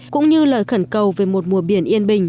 cũng như lời khẩn cầu về một mùa biển yên bình